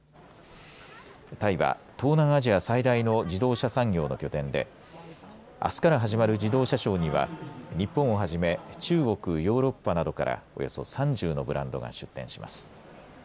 タイは、東南アジア最大の自動車産業の拠点であすから始まる自動車ショーには日本をはじめ中国、ヨーロッパなどからおよそ３０のブランドが出展します。